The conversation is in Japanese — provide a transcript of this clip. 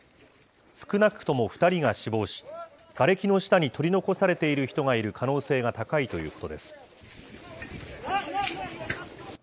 少なくとも２人が死亡し、がれきの下に取り残されている人がいる可能性が高いということです。